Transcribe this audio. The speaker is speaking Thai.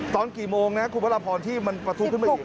ตอนกี่โมงนะคุณพระราพรที่มันประทุขึ้นมาอีก